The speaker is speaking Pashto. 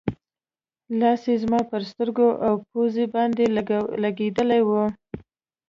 لاس یې زما پر سترګو او پوزې باندې لګېدلی و.